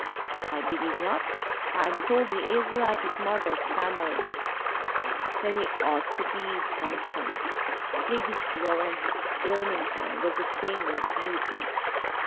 'I believe not. I am told he is like his mother's family.' 'Then he ought to be handsome. Lady Florence Ilmington was a famous beauty.'